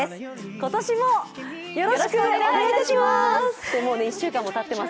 今年もよろしくお願いいたします。